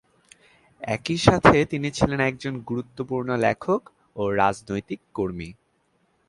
একই সাথে তিনি ছিলেন একজন গুরুত্বপূর্ণ লেখক ও রাজনৈতিক কর্মী।